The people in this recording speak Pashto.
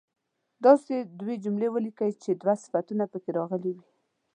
داسې دوې جملې ولیکئ چې دوه صفتونه په کې راغلي وي.